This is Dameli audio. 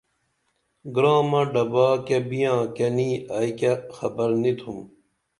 گرامہ ڈبا کیہ بیاں کیہ نی ائی کیہ خبر نی تُھم